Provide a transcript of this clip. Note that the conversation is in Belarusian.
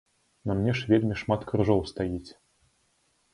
На мне ж вельмі шмат крыжоў стаіць!